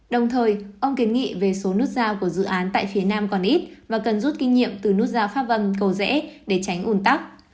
đồng thời ông kiến nghị về số nút giao của dự án tại phía nam còn ít và cần rút kinh nghiệm từ nút giao pháp vân cầu rẽ để tránh ồn tắc